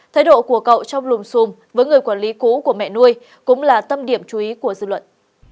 thái độ của cậu trong lùm xùm với người quản lý cũ của mẹ nuôi cũng là tâm điểm chú ý của dư luận